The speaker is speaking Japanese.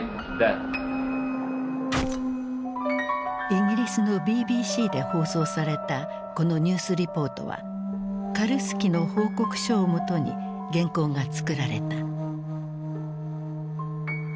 イギリスのＢＢＣで放送されたこのニュースリポートはカルスキの報告書をもとに原稿が作られた。